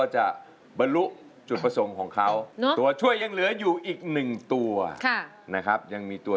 เหลือ๔แผ่นป้ายเลือกได้๑แผ่นป้าย